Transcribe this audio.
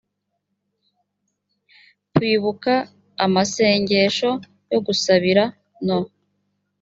kwibuka amasengesho yo gusabira no